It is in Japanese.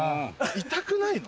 痛くないの？